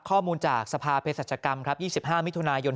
ข้อมูลจากสภาเพศรัชกรรมครับ๒๕มิถุนายน